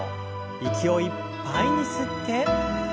息をいっぱいに吸って。